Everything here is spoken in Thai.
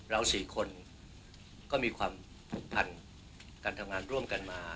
๔คนก็มีความผูกพันการทำงานร่วมกันมา